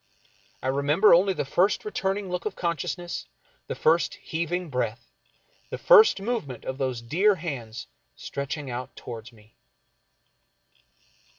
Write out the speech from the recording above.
I remember only the first returning look of consciousness, the first heaving breath, the first movement of those dear hands stretching out toward me.